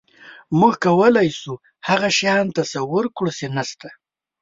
موږ کولی شو هغه شیان تصور کړو، چې نهشته.